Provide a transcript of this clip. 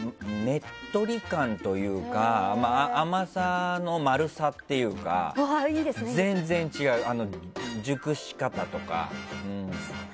ねっとり感というか甘さの丸さというか全然違う、熟し方とか。